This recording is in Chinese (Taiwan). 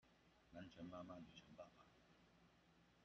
南拳媽媽，女權爸爸